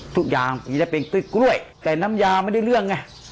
ทุกอย่างจะได้เป็นกล้วยแต่น้ำยาไม่ได้เรื่องไง